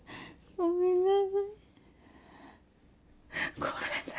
ごめんなさい。